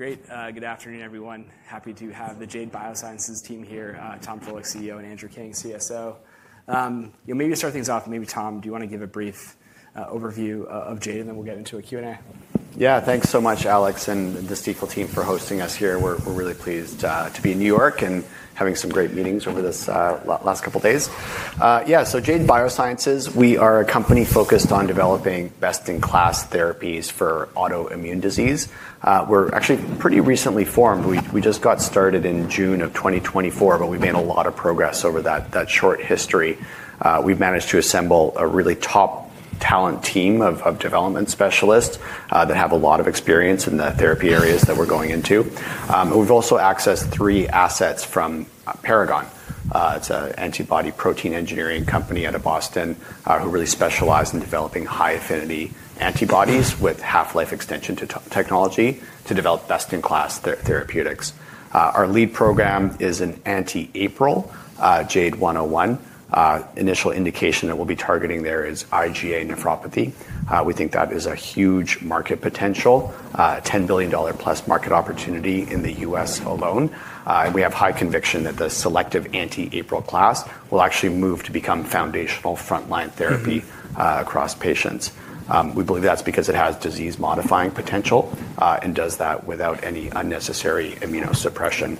Great. Good afternoon, everyone. Happy to have the Jade Biosciences team here, Tom Frohlich, CEO, and Andrew King, CSO. You know, maybe to start things off, maybe, Tom, do you want to give a brief overview of Jade, and then we'll get into a Q&A? Yeah, thanks so much, Alex and the Stifel team for hosting us here. We're really pleased to be in New York and having some great meetings over this last couple of days. Yeah, so Jade Biosciences, we are a company focused on developing best-in-class therapies for autoimmune disease. We're actually pretty recently formed. We just got started in June of 2024, but we've made a lot of progress over that short history. We've managed to assemble a really top talent team of development specialists that have a lot of experience in the therapy areas that we're going into. We've also accessed three assets from Paragon. It's an antibody protein engineering company out of Boston who really specialize in developing high affinity antibodies with half-life extension technology to develop best-in-class therapeutics. Our lead program is an anti-APRIL, JADE101. Initial indication that we'll be targeting there is IgA nephropathy. We think that is a huge market potential, $10+ billion market opportunity in the U.S. alone. We have high conviction that the selective anti-APRIL class will actually move to become foundational frontline therapy across patients. We believe that's because it has disease-modifying potential and does that without any unnecessary immunosuppression.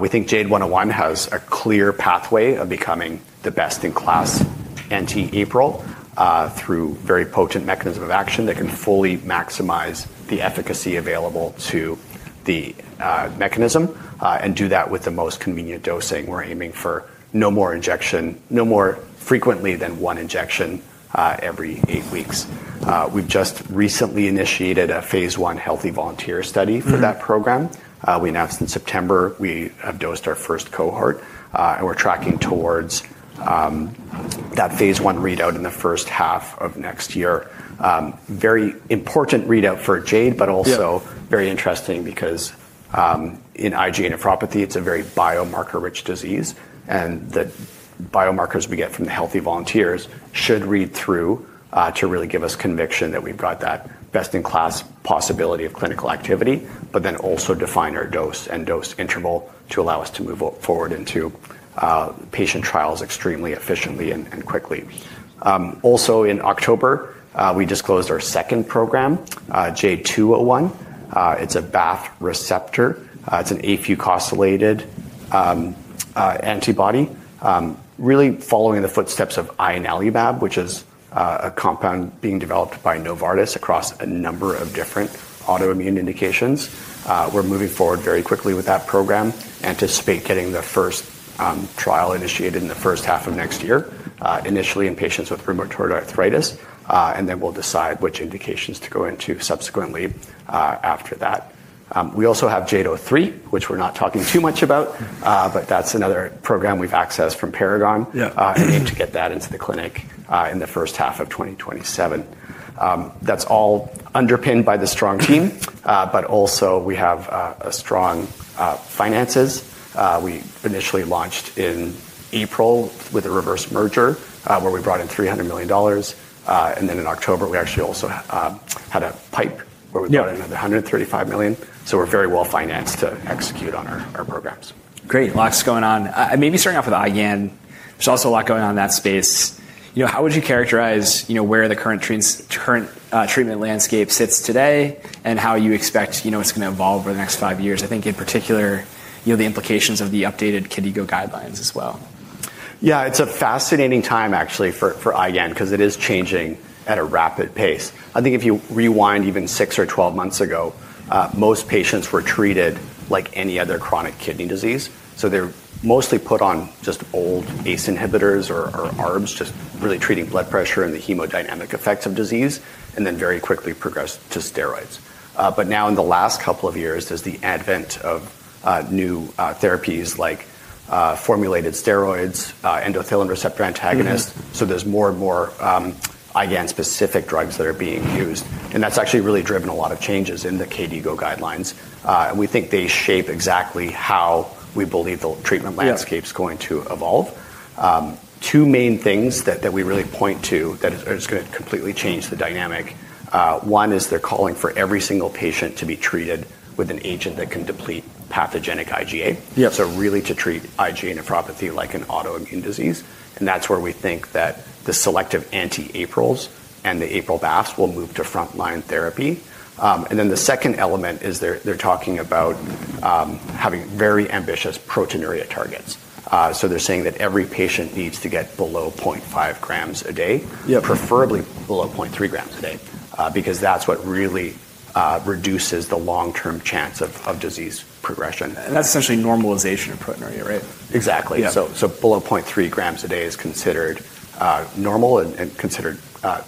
We think JADE101 has a clear pathway of becoming the best-in-class anti-APRIL through a very potent mechanism of action that can fully maximize the efficacy available to the mechanism and do that with the most convenient dosing. We're aiming for no more injection, no more frequently than one injection every eight weeks. We've just recently initiated a phase I healthy volunteer study for that program. We announced in September we have dosed our first cohort, and we're tracking towards that phase I readout in the first half of next year. Very important readout for Jade, but also very interesting because in IgA nephropathy, it's a very biomarker-rich disease, and the biomarkers we get from the healthy volunteers should read through to really give us conviction that we've got that best-in-class possibility of clinical activity, but then also define our dose and dose interval to allow us to move forward into patient trials extremely efficiently and quickly. Also, in October, we disclosed our second program, JADE201. It's a BAFF receptor. It's an afucosylated antibody, really following the footsteps of ianalumab, which is a compound being developed by Novartis across a number of different autoimmune indications. We're moving forward very quickly with that program. Anticipate getting the first trial initiated in the first half of next year, initially in patients with rheumatoid arthritis, and then we'll decide which indications to go into subsequently after that. We also have JADE03, which we're not talking too much about, but that's another program we've accessed from Paragon and aim to get that into the clinic in the first half of 2027. That's all underpinned by the strong team, but also we have strong finances. We initially launched in April with a reverse merger where we brought in $300 million, and then in October, we actually also had a pipe where we brought in another $135 million. We are very well financed to execute on our programs. Great. Lots going on. Maybe starting off with IgAN, there's also a lot going on in that space. You know, how would you characterize where the current treatment landscape sits today and how you expect it's going to evolve over the next five years? I think in particular, you know, the implications of the updated KDIGO guidelines as well. Yeah, it's a fascinating time actually for IgAN because it is changing at a rapid pace. I think if you rewind even six or twelve months ago, most patients were treated like any other chronic kidney disease. So they're mostly put on just old ACE inhibitors or ARBs, just really treating blood pressure and the hemodynamic effects of disease, and then very quickly progress to steroids. Now in the last couple of years, there's the advent of new therapies like formulated steroids, endothelin receptor antagonists. There's more and more IgAN-specific drugs that are being used, and that's actually really driven a lot of changes in the KDIGO guidelines. We think they shape exactly how we believe the treatment landscape is going to evolve. Two main things that we really point to that are just going to completely change the dynamic. One is they're calling for every single patient to be treated with an agent that can deplete pathogenic IgA. Really to treat IgA nephropathy like an autoimmune disease. That's where we think that the selective anti-APRILs and the APRIL-BAFFs will move to frontline therapy. The second element is they're talking about having very ambitious proteinuria targets. They're saying that every patient needs to get below 0.5 g a day, preferably below 0.3 g a day, because that's what really reduces the long-term chance of disease progression. That's essentially normalization of proteinuria, right? Exactly. Below 0.3 g a day is considered normal and considered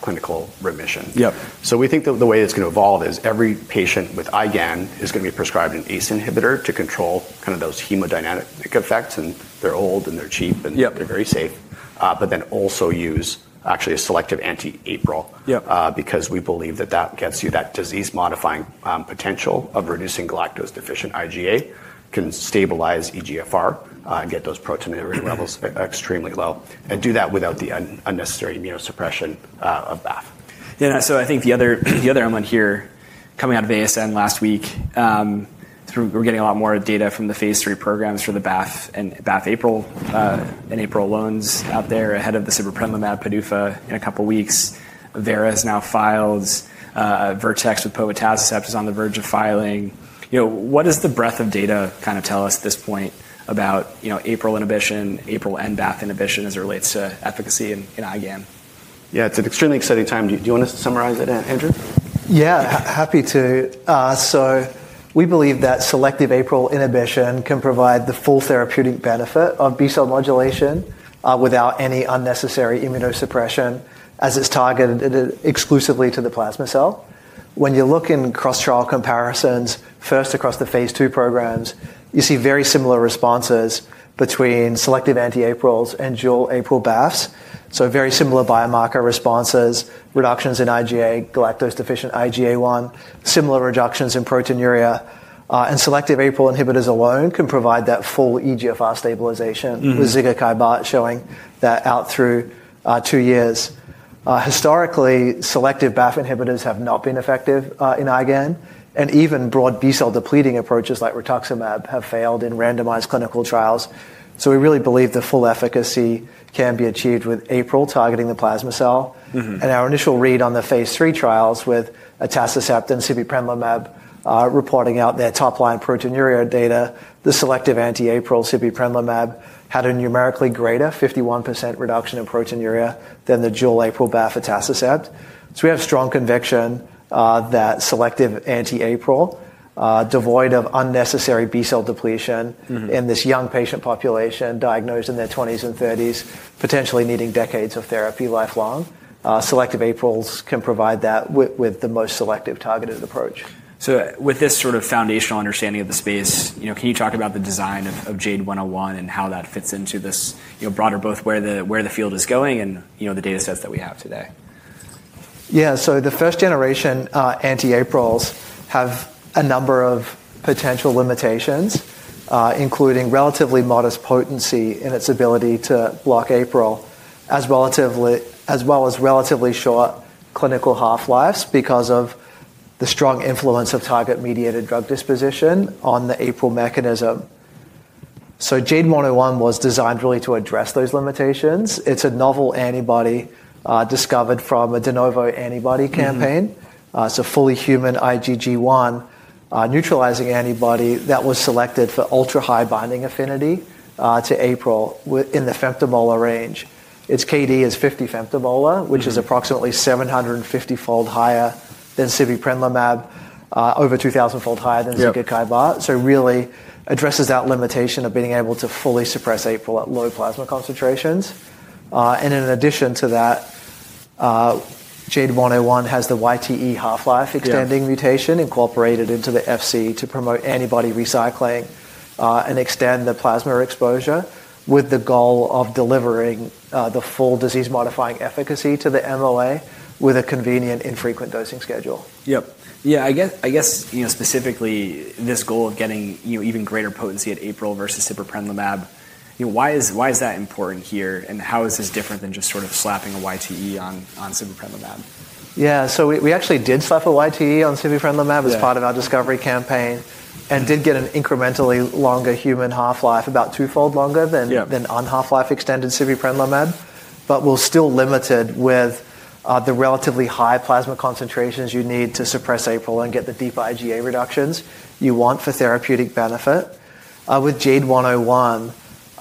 clinical remission. We think that the way it's going to evolve is every patient with IgAN is going to be prescribed an ACE inhibitor to control kind of those hemodynamic effects, and they're old and they're cheap and they're very safe, but then also use actually a selective anti-APRIL because we believe that that gets you that disease-modifying potential of reducing galactose deficient IgA, can stabilize eGFR, get those proteinuria levels extremely low, and do that without the unnecessary immunosuppression of BAFF. Yeah, so I think the other element here, coming out of ASN last week, we're getting a lot more data from the phase III programs for the BAFF and BAFF-APRIL and APRIL ones out there ahead of the sibeprenlimab PDUFA in a couple of weeks. Vera has now filed. Vertex with povetacicept is on the verge of filing. You know, what does the breadth of data kind of tell us at this point about APRIL inhibition, APRIL and BAFF inhibition as it relates to efficacy in IgAN? Yeah, it's an extremely exciting time. Do you want us to summarize it, Andrew? Yeah, happy to. We believe that selective APRIL inhibition can provide the full therapeutic benefit of B-cell modulation without any unnecessary immunosuppression as it's targeted exclusively to the plasma cell. When you look in cross-trial comparisons, first across the phase II programs, you see very similar responses between selective anti-APRILs and dual APRIL-BAFFs. Very similar biomarker responses, reductions in IgA, galactose deficient IgA1, similar reductions in proteinuria. Selective APRIL inhibitors alone can provide that full eGFR stabilization with zigakibart showing that out through two years. Historically, selective BAFF inhibitors have not been effective in IgAN, and even broad B-cell depleting approaches like rituximab have failed in randomized clinical trials. We really believe the full efficacy can be achieved with APRIL targeting the plasma cell. Our initial read on the phase III trials with atacicept and sibeprenlimab reporting out their top-line proteinuria data, the selective anti-APRIL sibeprenlimab had a numerically greater 51% reduction in proteinuria than the dual APRIL-BAFF atacicept. We have strong conviction that selective anti-APRIL, devoid of unnecessary B-cell depletion in this young patient population diagnosed in their 20s and 30s, potentially needing decades of therapy lifelong, selective APRIL can provide that with the most selective targeted approach. With this sort of foundational understanding of the space, you know, can you talk about the design of JADE101 and how that fits into this broader both where the field is going and the data sets that we have today? Yeah, so the first generation anti-APRILs have a number of potential limitations, including relatively modest potency in its ability to block APRIL, as well as relatively short clinical half-lives because of the strong influence of target-mediated drug disposition on the APRIL mechanism. JADE101 was designed really to address those limitations. It's a novel antibody discovered from a de novo antibody campaign. It's a fully human IgG1 neutralizing antibody that was selected for ultra-high binding affinity to APRIL in the femtomolar range. Its KD is 50 fM, which is approximately 750-fold higher than sibeprenlimab, over 2000-fold higher than zigakibart. So really addresses that limitation of being able to fully suppress APRIL at low plasma concentrations. In addition to that, JADE101 has the YTE half-life extending mutation incorporated into the Fc to promote antibody recycling and extend the plasma exposure with the goal of delivering the full disease-modifying efficacy to the MOA with a convenient infrequent dosing schedule. Yep. Yeah, I guess specifically this goal of getting even greater potency at APRIL versus sibeprenlimab, why is that important here? And how is this different than just sort of slapping a YTE on sibeprenlimab? Yeah, so we actually did slap a YTE on sibeprenlimab as part of our discovery campaign and did get an incrementally longer human half-life, about twofold longer than unhalf-life extended sibeprenlimab, but we're still limited with the relatively high plasma concentrations you need to suppress APRIL and get the deep IgA reductions you want for therapeutic benefit. With JADE101,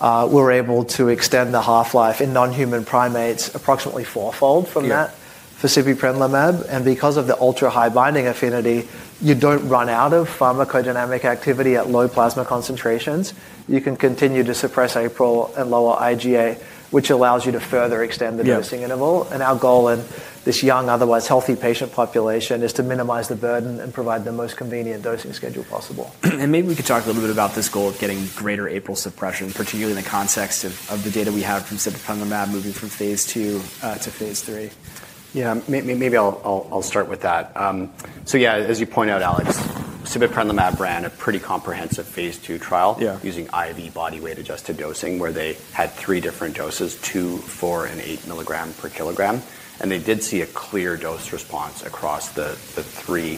we're able to extend the half-life in non-human primates approximately fourfold from that for sibeprenlimab. Because of the ultra-high binding affinity, you don't run out of pharmacodynamic activity at low plasma concentrations. You can continue to suppress APRIL and lower IgA, which allows you to further extend the dosing interval. Our goal in this young, otherwise healthy patient population is to minimize the burden and provide the most convenient dosing schedule possible. Maybe we could talk a little bit about this goal of getting greater APRIL suppression, particularly in the context of the data we have from sibeprenlimab moving from phase II to phase III. Yeah, maybe I'll start with that. So yeah, as you point out, Alex, sibeprenlimab ran a pretty comprehensive phase II trial using IV body weight-adjusted dosing where they had three different doses, 2 mg/kg, 4 mg/kg, and 8 mg/kg. And they did see a clear dose response across the three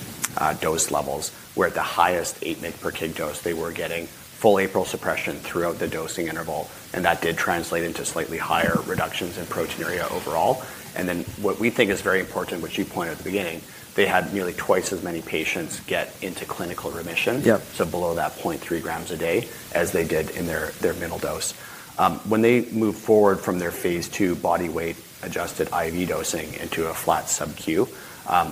dose levels where at the highest 8 mg/kg dose, they were getting full APRIL suppression throughout the dosing interval, and that did translate into slightly higher reductions in proteinuria overall. And then what we think is very important, which you pointed at the beginning, they had nearly twice as many patients get into clinical remission, so below that 0.3 g a day as they did in their middle dose. When they move forward from their phase II body weight-adjusted IV dosing into a flat subQ,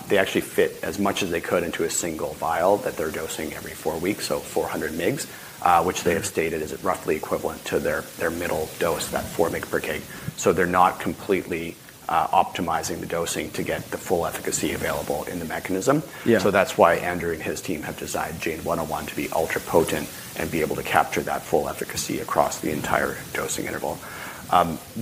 they actually fit as much as they could into a single vial that they're dosing every four weeks, so 400 mg, which they have stated is roughly equivalent to their middle dose, that 4 mg/kg. They're not completely optimizing the dosing to get the full efficacy available in the mechanism. That's why Andrew and his team have designed JADE101 to be ultra potent and be able to capture that full efficacy across the entire dosing interval.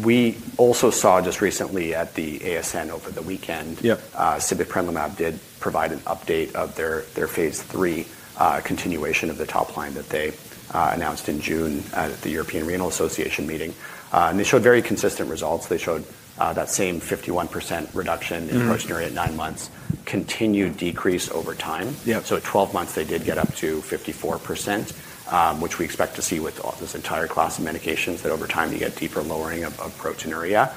We also saw just recently at the ASN over the weekend, sibeprenlimab did provide an update of their phase III continuation of the top line that they announced in June at the European Renal Association meeting. They showed very consistent results. They showed that same 51% reduction in proteinuria at nine months, continued decrease over time. At 12 months, they did get up to 54%, which we expect to see with this entire class of medications that over time you get deeper lowering of proteinuria.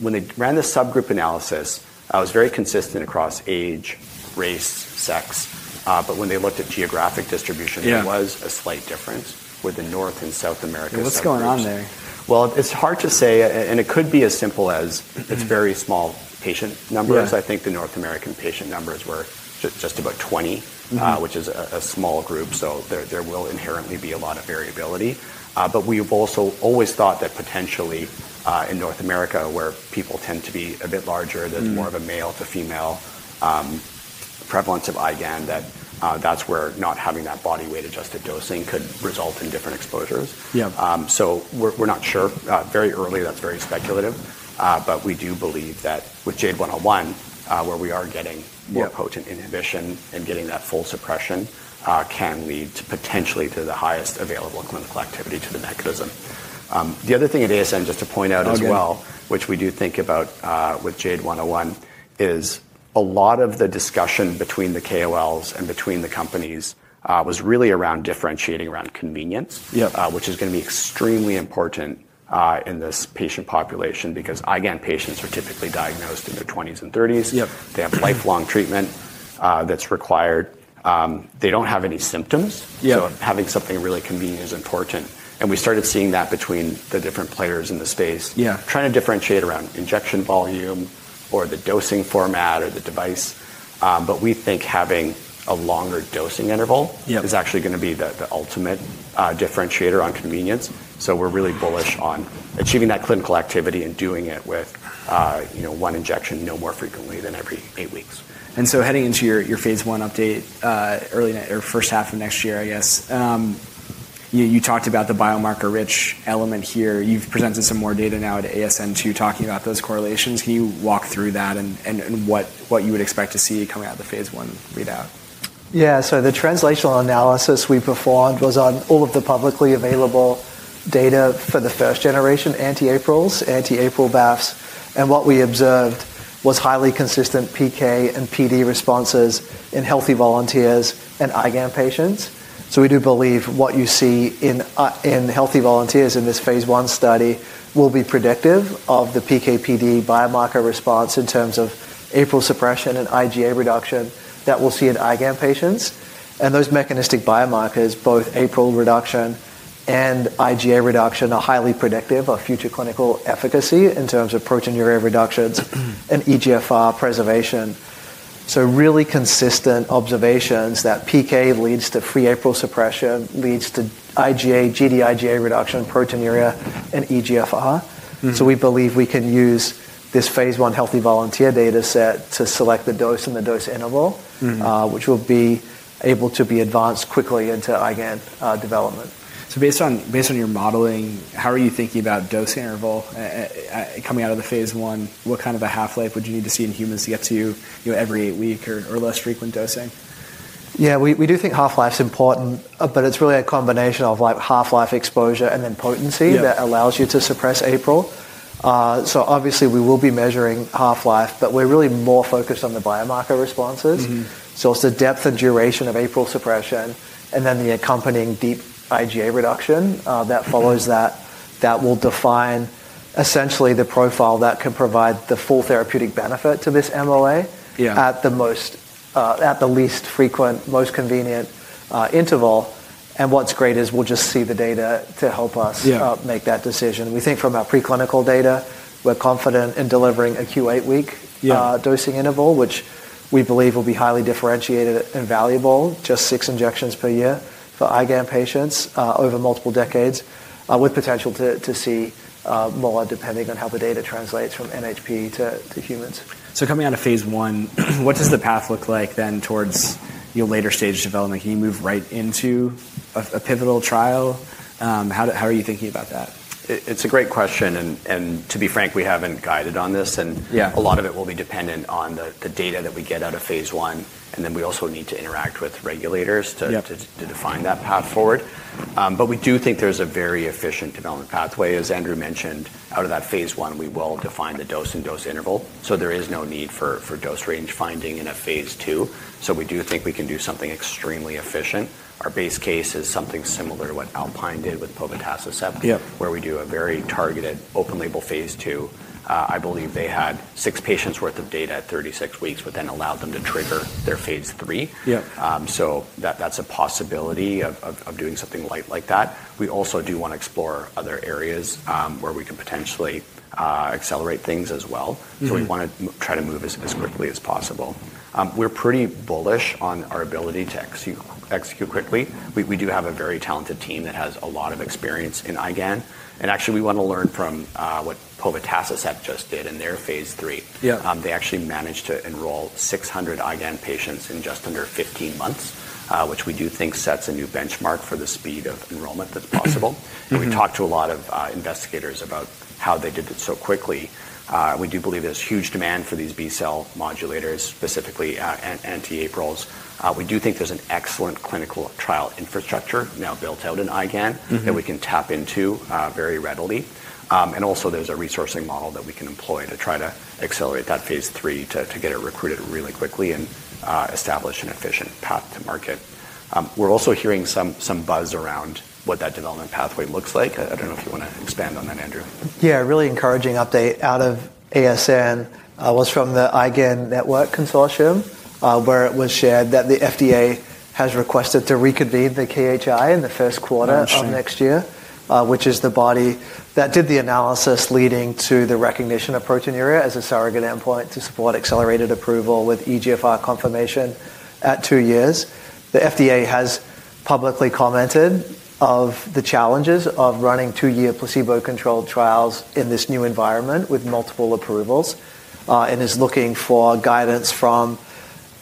When they ran this subgroup analysis, it was very consistent across age, race, sex, but when they looked at geographic distribution, there was a slight difference within North and South America. What's going on there? It's hard to say, and it could be as simple as it's very small patient numbers. I think the North American patient numbers were just about 20, which is a small group, so there will inherently be a lot of variability. We've also always thought that potentially in North America, where people tend to be a bit larger, there's more of a male to female prevalence of IgAN, that that's where not having that body weight-adjusted dosing could result in different exposures. We're not sure. Very early, that's very speculative, but we do believe that with JADE101, where we are getting more potent inhibition and getting that full suppression can lead to potentially the highest available clinical activity to the mechanism. The other thing at ASN, just to point out as well, which we do think about with JADE101, is a lot of the discussion between the KOLs and between the companies was really around differentiating around convenience, which is going to be extremely important in this patient population because IgAN patients are typically diagnosed in their 20s and 30s. They have lifelong treatment that's required. They do not have any symptoms, so having something really convenient is important. We started seeing that between the different players in the space, trying to differentiate around injection volume or the dosing format or the device, but we think having a longer dosing interval is actually going to be the ultimate differentiator on convenience. We are really bullish on achieving that clinical activity and doing it with one injection, no more frequently than every eight weeks. Heading into your phase I update early or first half of next year, I guess, you talked about the biomarker-rich element here. You've presented some more data now at ASN too talking about those correlations. Can you walk through that and what you would expect to see coming out of the phase I readout? Yeah, so the translational analysis we performed was on all of the publicly available data for the first generation anti-APRILs, anti-APRIL BAFFs. What we observed was highly consistent PK and PD responses in healthy volunteers and IgAN patients. We do believe what you see in healthy volunteers in this phase I study will be predictive of the PK/PD biomarker response in terms of APRIL suppression and IgA reduction that we will see in IgAN patients. Those mechanistic biomarkers, both APRIL reduction and IgA reduction, are highly predictive of future clinical efficacy in terms of proteinuria reductions and eGFR preservation. Really consistent observations that PK leads to free APRIL suppression, leads to IgA reduction, proteinuria, and eGFR. We believe we can use this phase I healthy volunteer data set to select the dose and the dose interval, which will be able to be advanced quickly into IgAN development. Based on your modeling, how are you thinking about dose interval coming out of the phase I? What kind of a half-life would you need to see in humans to get to every eight week or less frequent dosing? Yeah, we do think half-life is important, but it's really a combination of half-life exposure and then potency that allows you to suppress APRIL. Obviously we will be measuring half-life, but we're really more focused on the biomarker responses. It's the depth and duration of APRIL suppression and then the accompanying deep IgA reduction that follows that that will define essentially the profile that can provide the full therapeutic benefit to this MOA at the least frequent, most convenient interval. What's great is we'll just see the data to help us make that decision. We think from our preclinical data, we're confident in delivering a Q8 week dosing interval, which we believe will be highly differentiated and valuable, just six injections per year for IgAN patients over multiple decades with potential to see more depending on how the data translates from NHP to humans. Coming out of phase I, what does the path look like then towards your later stage development? Can you move right into a pivotal trial? How are you thinking about that? It's a great question. To be frank, we haven't guided on this. A lot of it will be dependent on the data that we get out of phase I. We also need to interact with regulators to define that path forward. We do think there's a very efficient development pathway. As Andrew mentioned, out of that phase I, we will define the dose and dose interval. There is no need for dose range finding in a phase II. We do think we can do something extremely efficient. Our base case is something similar to what Alpine did with povetacicept, where we do a very targeted open label phase II. I believe they had six patients' worth of data at 36 weeks, which then allowed them to trigger their phase III. That's a possibility of doing something like that. We also do want to explore other areas where we can potentially accelerate things as well. We want to try to move as quickly as possible. We're pretty bullish on our ability to execute quickly. We do have a very talented team that has a lot of experience in IgAN. Actually, we want to learn from what povetacicept just did in their phase III. They actually managed to enroll 600 IgAN patients in just under 15 months, which we do think sets a new benchmark for the speed of enrollment that's possible. We talked to a lot of investigators about how they did it so quickly. We do believe there's huge demand for these B-cell modulators, specifically anti-APRILs. We do think there's an excellent clinical trial infrastructure now built out in IgAN that we can tap into very readily. There is also a resourcing model that we can employ to try to accelerate that phase III to get it recruited really quickly and establish an efficient path to market. We are also hearing some buzz around what that development pathway looks like. I do not know if you want to expand on that, Andrew. Yeah, a really encouraging update out of ASN was from the IgAN Network Consortium where it was shared that the FDA has requested to reconvene the KHI in the first quarter of next year, which is the body that did the analysis leading to the recognition of proteinuria as a surrogate endpoint to support accelerated approval with eGFR confirmation at two years. The FDA has publicly commented on the challenges of running two-year placebo-controlled trials in this new environment with multiple approvals and is looking for guidance from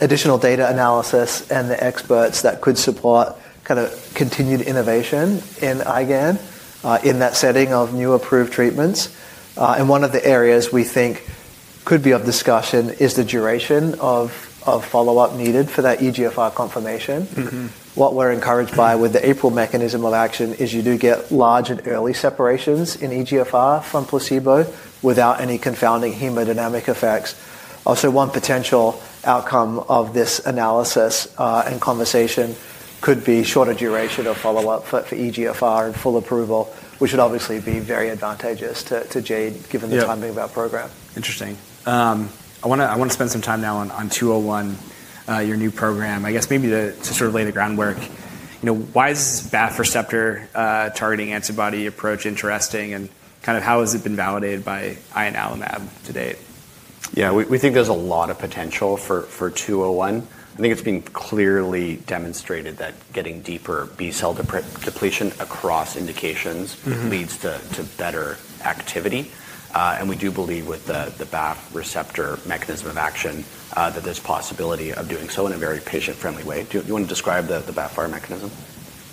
additional data analysis and the experts that could support kind of continued innovation in IgAN in that setting of new approved treatments. One of the areas we think could be of discussion is the duration of follow-up needed for that eGFR confirmation. What we're encouraged by with the APRIL mechanism of action is you do get large and early separations in eGFR from placebo without any confounding hemodynamic effects. Also, one potential outcome of this analysis and conversation could be shorter duration of follow-up for eGFR and full approval, which would obviously be very advantageous to Jade given the timing of our program. Interesting. I want to spend some time now on 201, your new program. I guess maybe to sort of lay the groundwork, why is this BAFF receptor targeting antibody approach interesting and kind of how has it been validated by ianalumab to date? Yeah, we think there's a lot of potential for 201. I think it's been clearly demonstrated that getting deeper B-cell depletion across indications leads to better activity. We do believe with the BAFF receptor mechanism of action that there's possibility of doing so in a very patient-friendly way. Do you want to describe the BAFF receptor mechanism?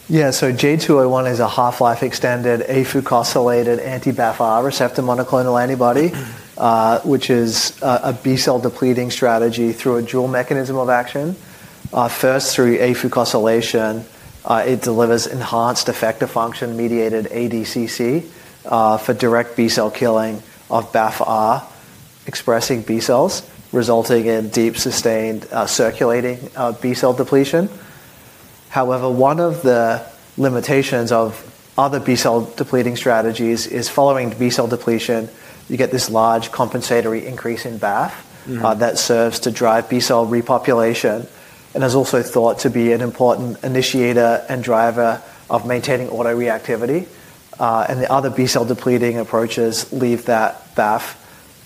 Yeah, so J201 is a half-life extended afucosylated anti-BAFF receptor monoclonal antibody, which is a B-cell depleting strategy through a dual mechanism of action. First, through afucosylation, it delivers enhanced effector function mediated ADCC for direct B-cell killing of BAFF-R expressing B-cells, resulting in deep sustained circulating B-cell depletion. However, one of the limitations of other B-cell depleting strategies is following B-cell depletion, you get this large compensatory increase in BAFF that serves to drive B-cell repopulation and is also thought to be an important initiator and driver of maintaining autoreactivity. The other B-cell depleting approaches leave that BAFF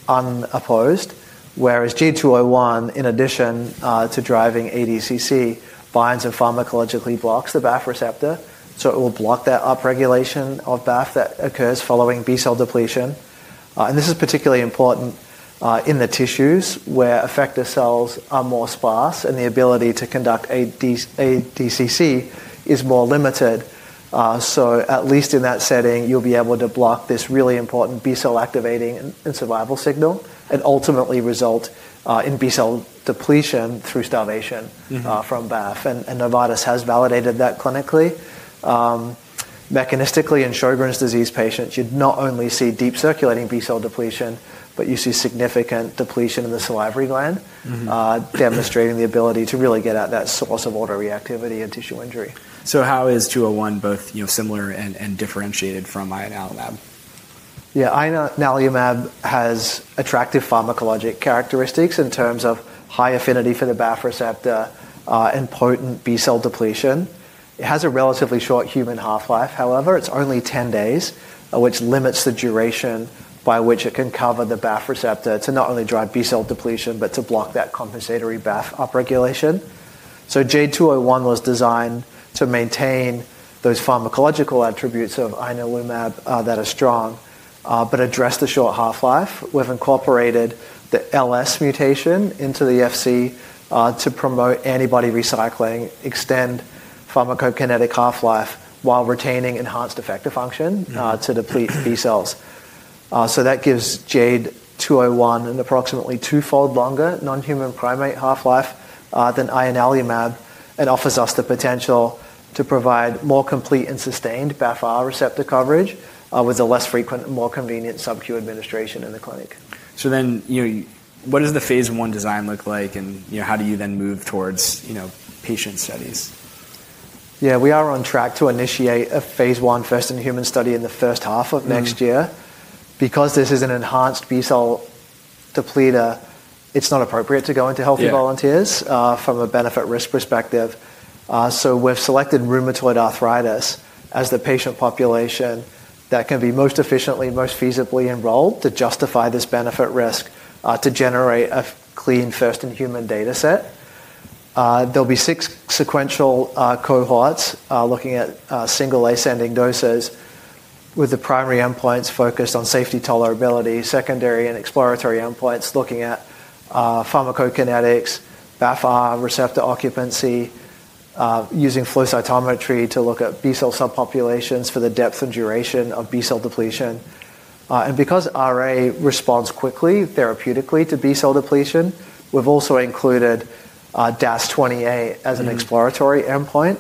unopposed, whereas J201, in addition to driving ADCC, binds and pharmacologically blocks the BAFF receptor. It will block that upregulation of BAFF that occurs following B-cell depletion. This is particularly important in the tissues where effector cells are more sparse and the ability to conduct ADCC is more limited. At least in that setting, you'll be able to block this really important B-cell activating and survival signal and ultimately result in B-cell depletion through starvation from BAFF. Novartis has validated that clinically. Mechanistically, in Sjogren's disease patients, you'd not only see deep circulating B-cell depletion, but you see significant depletion in the salivary gland, demonstrating the ability to really get at that source of autoreactivity and tissue injury. How is 201 both similar and differentiated from ianalumab? Yeah, ianalumab has attractive pharmacologic characteristics in terms of high affinity for the BAFF receptor and potent B-cell depletion. It has a relatively short human half-life. However, it's only 10 days, which limits the duration by which it can cover the BAFF receptor to not only drive B-cell depletion, but to block that compensatory BAFF upregulation. JADE201 was designed to maintain those pharmacological attributes of ianalumab that are strong, but address the short half-life. We've incorporated the LS mutation into the Fc to promote antibody recycling, extend pharmacokinetic half-life while retaining enhanced effector function to deplete B-cells. That gives JADE201 an approximately twofold longer non-human primate half-life than ianalumab and offers us the potential to provide more complete and sustained BAFF receptor coverage with a less frequent and more convenient subQ administration in the clinic. What does the phase I design look like and how do you then move towards patient studies? Yeah, we are on track to initiate a phase I first in human study in the first half of next year. Because this is an enhanced B-cell depleter, it's not appropriate to go into healthy volunteers from a benefit-risk perspective. So we've selected rheumatoid arthritis as the patient population that can be most efficiently, most feasibly enrolled to justify this benefit-risk to generate a clean first in human data set. There'll be six sequential cohorts looking at single ascending doses with the primary endpoints focused on safety, tolerability, secondary and exploratory endpoints looking at pharmacokinetics, BAFF receptor occupancy, using flow cytometry to look at B-cell subpopulations for the depth and duration of B-cell depletion. Because RA responds quickly therapeutically to B-cell depletion, we've also included DAS28 as an exploratory endpoint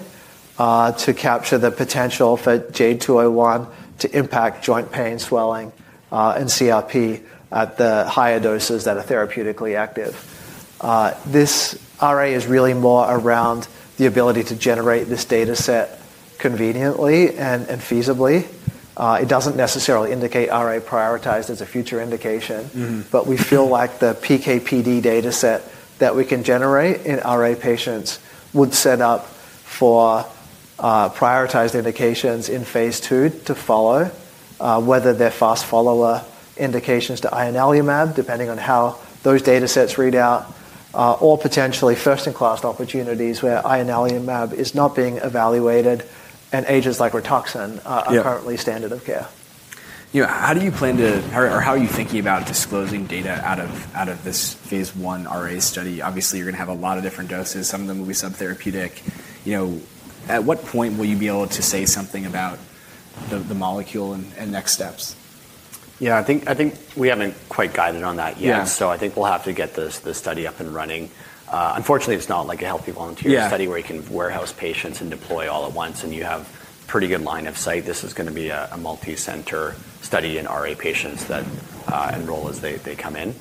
to capture the potential for JADE201 to impact joint pain, swelling, and CRP at the higher doses that are therapeutically active. This RA is really more around the ability to generate this data set conveniently and feasibly. It doesn't necessarily indicate RA prioritized as a future indication, but we feel like the PK/PD data set that we can generate in RA patients would set up for prioritized indications in phase II to follow, whether they're fast follower indications to ianalumab, depending on how those data sets read out, or potentially first-in-class opportunities where ianalumab is not being evaluated and agents like rituximab are currently standard of care. How do you plan to, or how are you thinking about disclosing data out of this phase I RA study? Obviously, you're going to have a lot of different doses. Some of them will be subtherapeutic. At what point will you be able to say something about the molecule and next steps? Yeah, I think we haven't quite guided on that yet. I think we'll have to get this study up and running. Unfortunately, it's not like a healthy volunteer study where you can warehouse patients and deploy all at once and you have a pretty good line of sight. This is going to be a multi-center study in RA patients that enroll as they come in.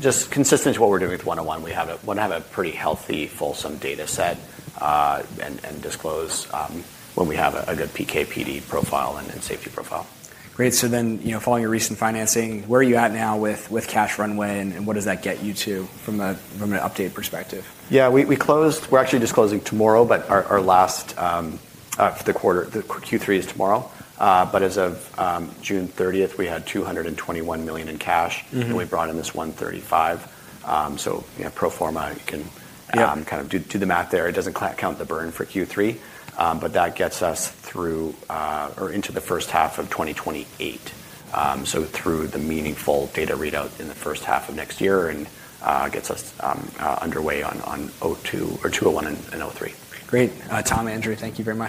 Just consistent to what we're doing with 101, we want to have a pretty healthy, fulsome data set and disclose when we have a good PK/PD profile and safety profile. Great. So then following your recent financing, where are you at now with cash runway and what does that get you to from an update perspective? Yeah, we're actually disclosing tomorrow, but our last for the quarter, the Q3 is tomorrow. But as of June 30th, we had $221 million in cash and we brought in this $135 million. So pro forma, you can kind of do the math there. It does not count the burn for Q3, but that gets us through or into the first half of 2028. So through the meaningful data readout in the first half of next year and gets us underway on 201 and 03. Great. Tom, Andrew, thank you very much.